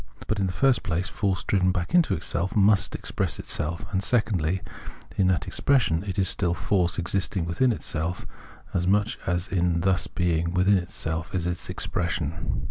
But in the first place force driven back into itself must express itself ; and, secondly, in that expression it is still force existing within itself, as much as in thus being within itself it is expression.